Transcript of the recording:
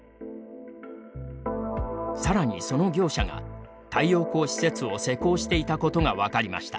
さらに、その業者が太陽光施設を施工していたことが分かりました。